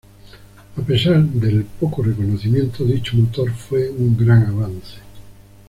A pesar del poco reconocimiento, dicho motor fue un gran avance.